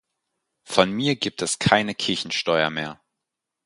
Von mir gibt es keine Kirchensteuer mehr!